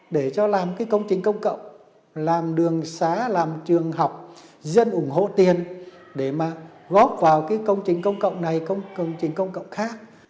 để cho làm cái công trình công cộng làm đường xá làm trường học dân ủng hộ tiền để mà góp vào cái công trình công cộng này công trình công cộng khác